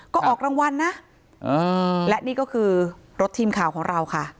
ก็ออกรางวัลนะและนี่ก็คือรถทีมข่าวของเราค่ะ